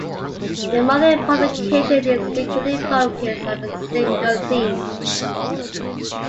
The monthly publication is frequently focused on a single theme.